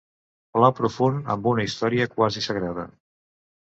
Plat profund amb una història quasi sagrada.